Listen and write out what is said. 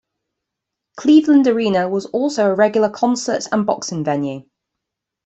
Cleveland Arena was also a regular concert and boxing venue.